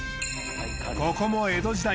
ここも江戸時代